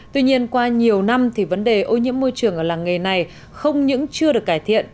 tuy nhiên qua nhiều năm thì vấn đề ô nhiễm môi trường ở làng nghề này không những chưa được cải thiện